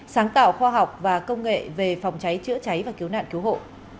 sáng tạo khoa học và công nghệ về phòng cháy chữa cháy và cứu nạn cứu hộ